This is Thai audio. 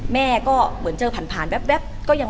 แม่ก็เหมือนเจอผ่านแว๊บ